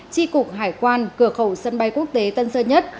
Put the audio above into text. tri cục hải quan cửa khẩu sân bay quốc tế tân sơn nhất